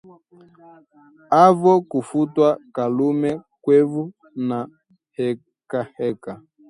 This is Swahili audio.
Avo kufwa Kalume kwevu na hekaheka